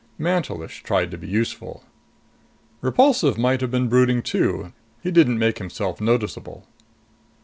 Mantelish tried to be useful. Repulsive might have been brooding too. He didn't make himself noticeable.